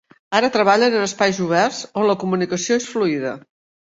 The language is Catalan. Ara treballen en espais oberts on la comunicació és fluida.